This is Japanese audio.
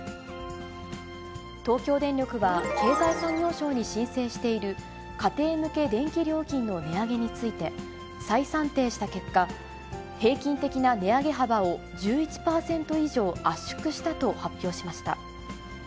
東京電力は経済産業省に申請している家庭向け電気料金の値上げについて、再算定した結果、平均的な値上げ幅を１１％以上圧縮したと発表しました。